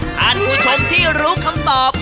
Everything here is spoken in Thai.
ท่านผู้ชมที่รู้คำตอบ